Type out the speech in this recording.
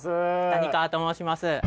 谷川と申します。